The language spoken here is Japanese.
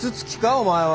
お前は。